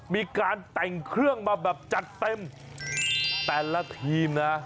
มีการแต่งเครื่องมาแบบจัดเต็มแต่ละทีมนะ